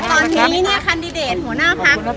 แต่ตอนนี้เนี่ยคันดิเดตหัวหน้าภักดิ์